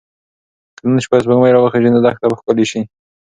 که نن شپه سپوږمۍ راوخیژي نو دښته به ښکلې شي.